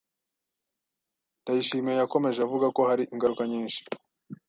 Ndayishimiye yakomeje avuga ko hari ingaruka nyinshi